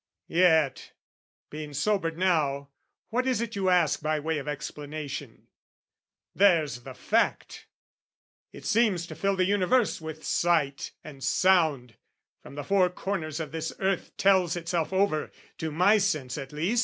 Yet, being sobered now, what is it you ask By way of explanation? There's the fact! It seems to fill the universe with sight And sound, from the four corners of this earth Tells itself over, to my sense at least.